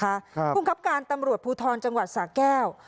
กับทางตำรวชนะคะคุณครับการตำรวจภูทรจังหวัดสาแก้ว